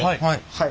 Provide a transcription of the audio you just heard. はい。